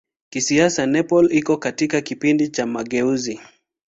Kisiasa Nepal iko katika kipindi cha mageuzi.